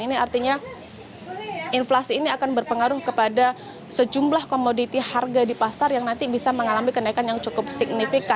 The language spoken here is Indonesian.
ini artinya inflasi ini akan berpengaruh kepada sejumlah komoditi harga di pasar yang nanti bisa mengalami kenaikan yang cukup signifikan